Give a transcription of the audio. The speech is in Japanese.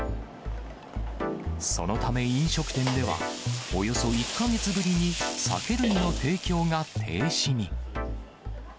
そのため、飲食店ではおよそ１か月ぶりに酒類の提供が停止に。